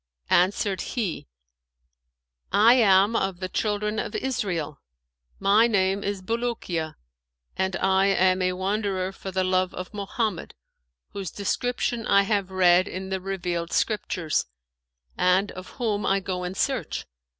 Answered he, 'I am of the Children of Israel; my name is Bulukiya, and I am a wanderer for the love of Mohammed, whose description I have read in the revealed scriptures, and of whom I go in search.